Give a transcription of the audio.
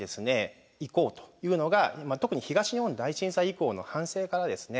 行こうというのが特に東日本大震災以降の反省からですね